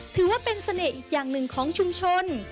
ถือว่าเป็นเสน่ห์อีกอย่างหนึ่งของชุมชน